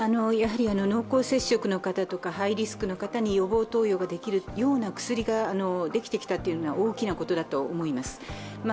濃厚接触の方とはハイリスクの方に予防投与できる薬ができてきたというのは大きなことだと思います。